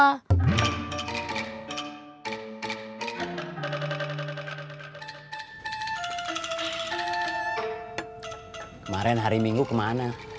kemarin hari minggu kemana